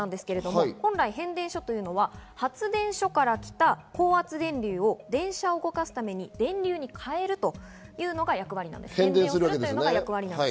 本来、変電所というのは発電所から来た高圧電流を電車を動かすために電流に変えるというのが役割なんです。